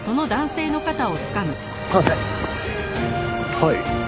はい。